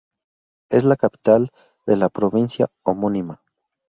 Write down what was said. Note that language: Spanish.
Es la capital de la provincia homónima.